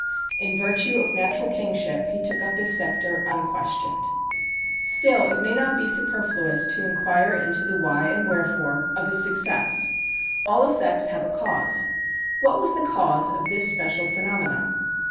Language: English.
In virtue of natural kingship he took up his sceptre unquestioned. Still, it may not be superfluous to inquire into the why and wherefore of his success. All effects have a cause. What was the cause of this special phenomenon?